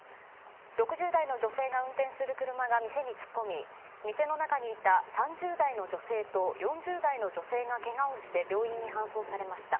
６０代の女性が運転する車が店に突っ込み店の中にいた３０代の女性と４０代の女性がけがをして病院に搬送されました。